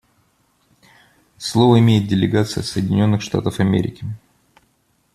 Слово имеет делегация Соединенных Штатов Америки.